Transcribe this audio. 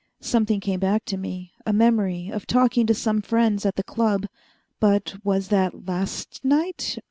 Something came back to me a memory of talking to some friends at the Club. But was that last night?